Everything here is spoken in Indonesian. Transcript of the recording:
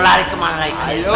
lari ke mana lari ke mana